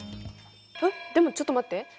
えっでもちょっと待って。